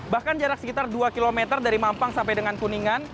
bahkan jarak sekitar dua km dari mampang sampai dengan kuningan